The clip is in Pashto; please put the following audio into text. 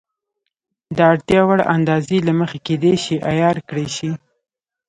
د اړتیا وړ اندازې له مخې کېدای شي عیار کړای شي.